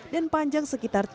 dan panjang tiga meter